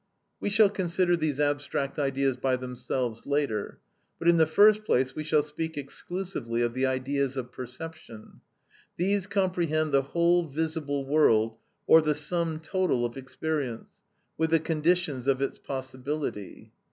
(5) We shall consider these abstract ideas by themselves later, but, in the first place, we shall speak exclusively of the ideas of perception. These comprehend the whole visible world, or the sum total of experience, with the conditions of its possibility.